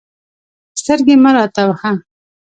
سترګې مه راته وهه.